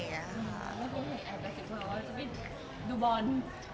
ไม่พูดว่าจะไปดูบอล